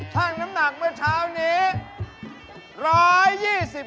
ช่างน้ำหนักเมื่อเช้านี้